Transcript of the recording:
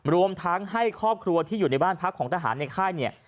รวมทั้งให้ครอบครัวที่อยู่ในบ้านพักของทหารในค่ายเนี่ย